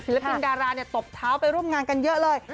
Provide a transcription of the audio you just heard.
สิริยพินดาราตบเท้าไปร่วมงานกันเยอะเลย